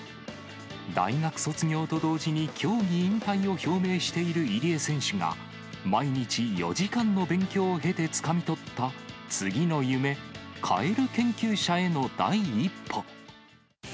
大学卒業と同時に競技引退を表明している入江選手が、毎日、４時間の勉強を経てつかみ取った次の夢、カエル研究者への第一歩。